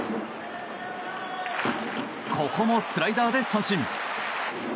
ここもスライダーで三振。